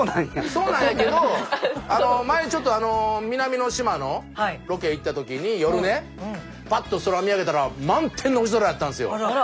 そうなんやけど前ちょっと南の島のロケへ行った時に夜ねパッと空見上げたら満天の星空やったんですよ。